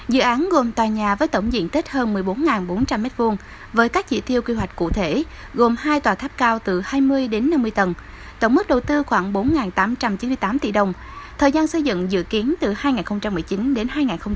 dự án gồm tòa nhà với tổng diện tích hơn một mươi bốn bốn trăm linh m hai với các dị tiêu quy hoạch cụ thể gồm hai tòa tháp cao từ hai mươi đến năm mươi tầng tổng mức đầu tư khoảng bốn tám trăm chín mươi tám tỷ đồng thời gian xây dựng dự kiến từ hai nghìn một mươi chín đến hai nghìn hai mươi